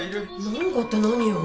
なんかって何よ